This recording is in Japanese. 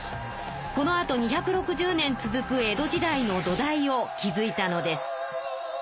このあと２６０年続く江戸時代の土台を築いたのです。